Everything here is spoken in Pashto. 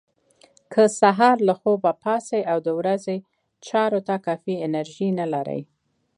که سهار له خوبه پاڅئ او د ورځې چارو ته کافي انرژي نه لرئ.